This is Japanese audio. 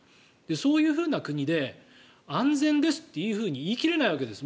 そういうふうな国で安全ですというふうに言い切れないわけです。